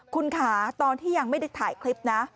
คุณค่ะตอนที่ยังไม่ได้ถ่ายคลิปนะ